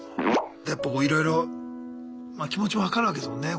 やっぱこういろいろ気持ちも分かるわけですもんね。